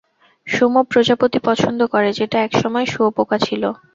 Sumo প্রজাপতি পছন্দ করে যেটা একসময় শুয়োপোকা ছিল।